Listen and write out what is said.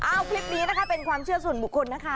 เอาคลิปนี้นะคะเป็นความเชื่อส่วนบุคคลนะคะ